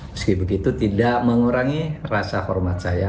meski begitu tidak mengurangi rasa hormat saya